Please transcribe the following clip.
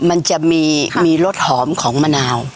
มันจะมีรสหอมของมะนาว